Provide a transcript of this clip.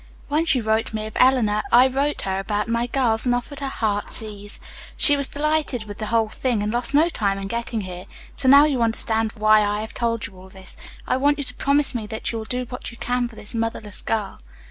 "When she wrote me of Eleanor, I wrote her about my girls, and offered her 'Heartsease.' She was delighted with the whole thing and lost no time in getting here. So now you understand why I have told you all this. I want you to promise me that you will do what you can for this motherless girl."